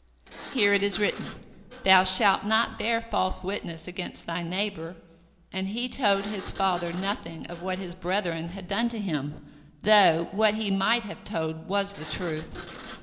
Here it is written, Thou shalt not bear false witness against thy neighbor, and he told his father nothing of what his brethren had done to him, though what he might have told was the truth.